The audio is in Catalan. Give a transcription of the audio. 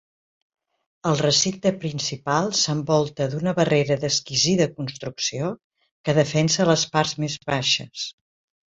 El recinte principal s'envolta d'una barrera d'exquisida construcció que defensa les parts més baixes.